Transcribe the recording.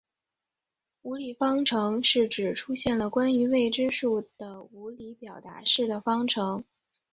无理方程是指出现了关于未知数的无理表达式的方程。